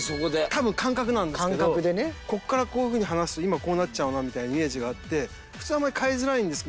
多分感覚なんですけどここからこういう風に離すと今こうなっちゃうなみたいなイメージがあって普通はあんまり変えづらいんですけど。